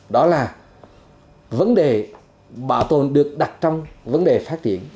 đó là vấn đề bảo tồn được đặt trong vấn đề phát triển